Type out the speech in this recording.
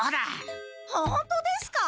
ホントですか？